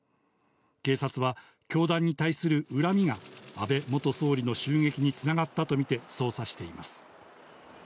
警察は教団に対する恨みが安倍元総理の襲撃に繋がったとみて捜査しています。